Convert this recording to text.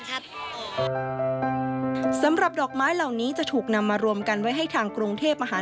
ซ้ำสำหรับดอกไม้เหล่านี้จะถูกนำมารวมกันให้ทางโกรงเทพฯมหา